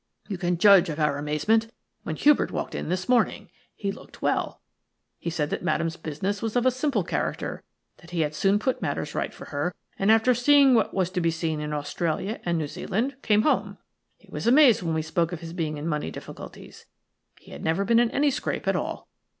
"You can judge of our amazement when Hubert walked in this morning. He looked well. He said that Madame's business was of a simple character, that he had soon put matters right for her, and after seeing what was to be seen in Australia and New Zealand came home. He was amazed when we spoke of his being in money difficulties; he had never been in any scrape at all.